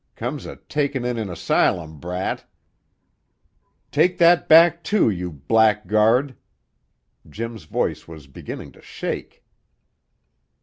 Comes o' takin' in an asylum brat " "Take that back, too, you blackguard!" Jim's voice was beginning to shake.